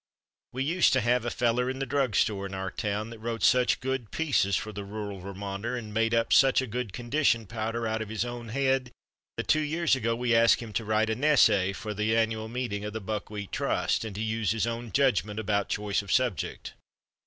We used to have a feller in the drugstore in our town that wrote such good pieces for the Rural Vermonter and made up such a good condition powder out of his own head, that two years ago we asked him to write a nessay for the annual meeting of the Buckwheat Trust, and to use his own judgment about choice of subject.